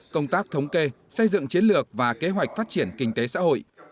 công tác thống kê xây dựng chiến lược và kế hoạch phát triển kinh tế xã hội